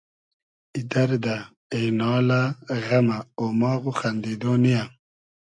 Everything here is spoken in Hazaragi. ای دئردۂ ، اېنالۂ ، غئمۂ ، اۉماغ و خئندیدۉ نییۂ